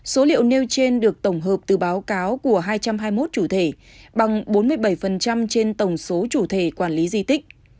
số liệu nêu trên được tổng hợp từ báo cáo của hai trăm hai mươi một chủ thể bằng bốn mươi bảy trên tổng số chủ thể quản lý di tích